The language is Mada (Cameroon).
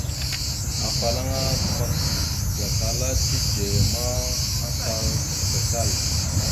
Afalaŋa təmak gatala tidzeya ma, atal taɗəba tal.